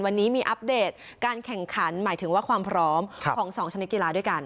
วันนี้มีอัปเดตการแข่งขันหมายถึงว่าความพร้อมของ๒ชนิดกีฬาด้วยกัน